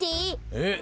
えっ？